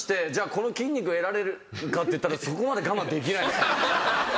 この筋肉が得られるかっていったらそこまで我慢できないですね。